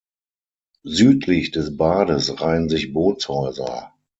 Südlich des Bades reihen sich Bootshäuser.